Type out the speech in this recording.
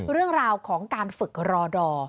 เรื่องราวของการฝึกรอดอร์